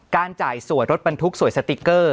จ่ายสวยรถบรรทุกสวยสติ๊กเกอร์